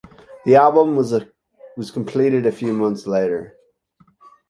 The album was completed few months later.